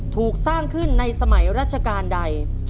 ถูกสร้างขึ้นในสมัยราชการใด